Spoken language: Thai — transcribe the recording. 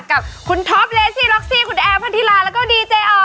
กับคุณท็อปเลซี่ล็อกซี่คุณแอร์พันธิลาแล้วก็ดีเจอ